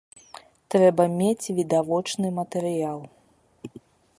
Трэба мець відавочны матэрыял.